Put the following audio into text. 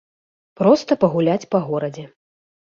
Проста пагуляць па горадзе.